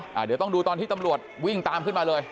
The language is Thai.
เดี๋ยวต้องดูตอนที่ตำรวจวิ่งตามขึ้นมาเลย